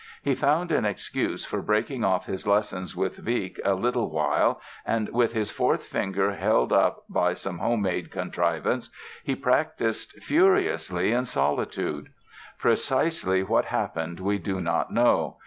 He found an excuse for breaking off his lessons with Wieck a little while and, with his fourth finger held up by some home made contrivance, he practised furiously in solitude. Precisely what happened we do not know.